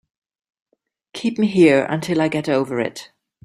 Keep me here until I get over it.